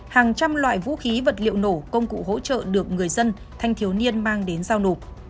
hàng trăm loại vũ khí vật liệu nổ công cụ hỗ trợ được người dân thanh thiếu niên mang đến giao nộp